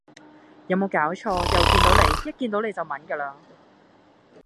有冇搞錯又見到你一見到你就炆㗎喇